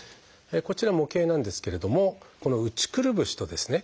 こちら模型なんですけれどもこの内くるぶしとですね